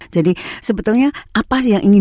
jadi sebetulnya apa yang ingin